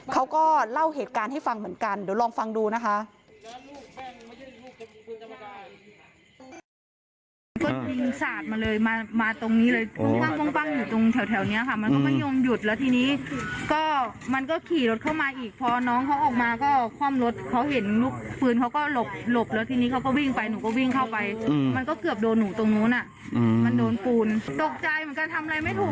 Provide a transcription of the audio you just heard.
เขาก็เล่าเหตุการณ์ให้ฟังเหมือนกันเดี๋ยวลองฟังดูนะคะ